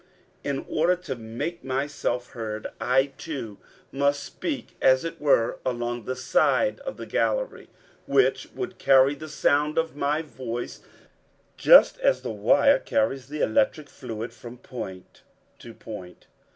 In order to make myself heard, I too must speak as it were along the side of the gallery, which would carry the sound of my voice just as the wire carries the electric fluid from point to point.